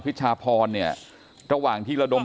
กลุ่มตัวเชียงใหม่